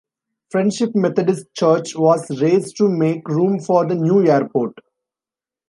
Friendship Methodist Church was razed to make room for the new airport.